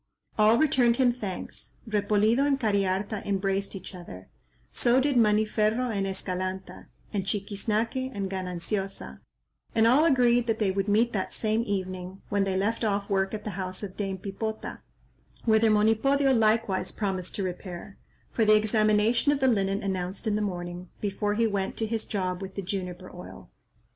All returned him thanks. Repolido and Cariharta embraced each other; so did Maniferro and Escalanta, and Chiquiznaque and Gananciosa; and all agreed that they would meet that same evening, when they left off work at the house of Dame Pipota, whither Monipodio likewise promised to repair, for the examination of the linen announced in the morning, before he went to his job with the juniper oil.